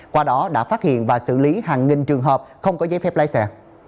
qua đó đã phát hiện và xử lý hàng nghìn trường hợp không có giấy phép lái xe